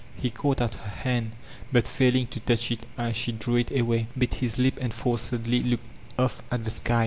He caught at her hand, but failing to touch it as she drew i* away, bit his lip and forcedly looked off at the sky an!